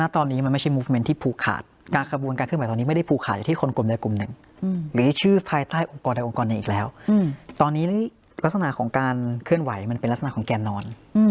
ตอนนี้ลักษณะของการเคลื่อนไหวมันเป็นลักษณะของแก่นอน